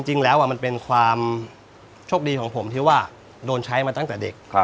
จริงแล้วมันเป็นความโชคดีของผมที่ว่าโดนใช้มาตั้งแต่เด็ก